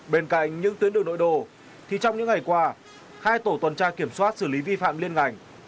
bên cạnh những tuyến đường nội đồ thì trong những ngày qua hai tổ tuần tra kiểm soát xử lý vi phạm liên ngành